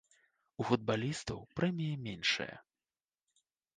У футбалістаў прэміі меншыя.